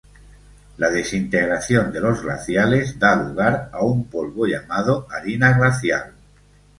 La desintegración de los glaciales da lugar a un polvo llamado "harina glacial".